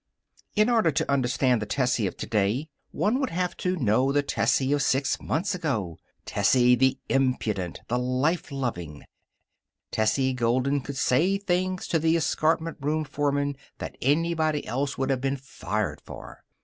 In order to understand the Tessie of today one would have to know the Tessie of six months ago Tessie the impudent, the life loving. Tessie Golden could say things to the escapement room foreman that anyone else would have been fired for.